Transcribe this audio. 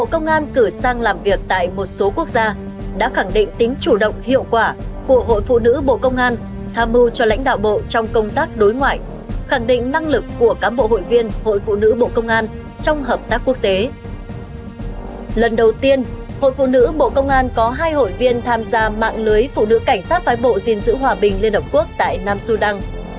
cảnh sát phái bộ gìn giữ hòa bình liên hợp quốc tại nam sudan